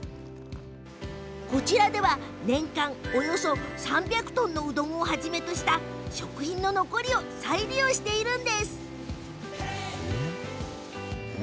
こちらでは年間およそ３００トンのうどんをはじめとした食品の残りを再利用しています。